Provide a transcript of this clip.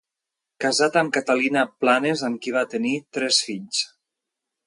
Casat amb Catalina Planes amb qui va tenir tres fils.